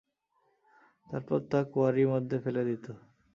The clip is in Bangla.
তারপর তা কোয়ারি মধ্যে ফেলে দিতো।